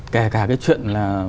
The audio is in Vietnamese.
kể cả cái chuyện là